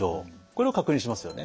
これを確認しますよね。